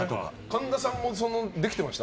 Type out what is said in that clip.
神田さんもできてました？